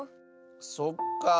そっかあ。